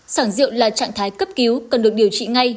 sản rượu là trạng thái cấp cứu cần được điều trị ngay